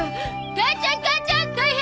母ちゃん母ちゃん大変！